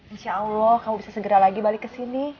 insya allah kamu bisa segera lagi balik kesini